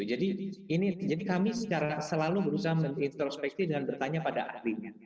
jadi kami selalu berusaha men introspekti dengan bertanya pada akhrinya